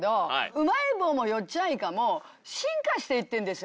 うまい棒もよっちゃんイカも進化して行ってんですよ